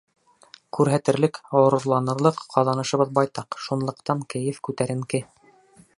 Күрһәтерлек, ғорурланырлыҡ ҡаҙанышыбыҙ байтаҡ, шунлыҡтан кәйеф күтәренке.